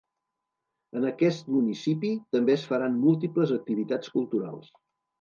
En aquest municipi també es faran múltiples activitats culturals.